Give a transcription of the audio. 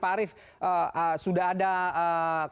pak arief sudah ada komitmen dari pak arief